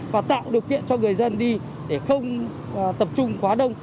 và tạo điều kiện cho người dân đi để không tập trung quá đông